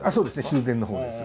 修繕のほうです。